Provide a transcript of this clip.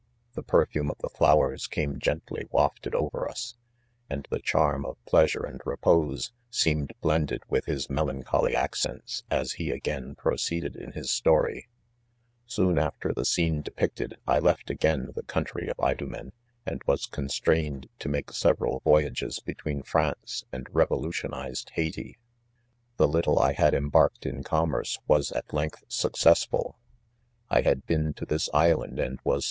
The per fume of the flowers came gently wafted over ns; and the charm of pleasure and repose seemed Wended with his melancholy accent:;., m he again proceeded in his story. * "Soon 'after the ■ scene depicted, I leftag&ja the country of Idonienyand was con strain eel to make several voyages between France and rev dstio&iz&i Hayti. The little I had embarked ra^comm^ree, was, at length, sttccsBduL 1 THE D1SCQTERY. 35? had been to this island and was.